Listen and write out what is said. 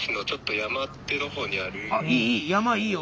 山いいよ。